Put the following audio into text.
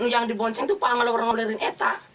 yang dibonceng tuh pak ngelorong ngolerin etak